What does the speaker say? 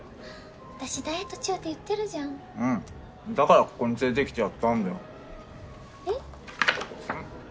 私ダイエット中って言ってるじゃんだからここに連れてきてやったんだよえっ？